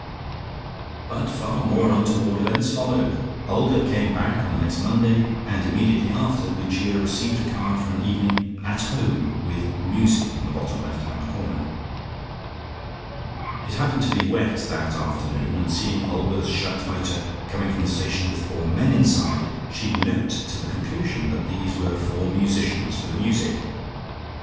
But far more untoward events followed. Olga came back on the next Monday, and immediately after Lucia received a card for an evening "At Home," with "Music" in the bottom left hand corner. It happened to be wet that afternoon, and seeing Olga's shut motor coming from the station with four men inside, she leaped to the conclusion that these were four musicians for the music.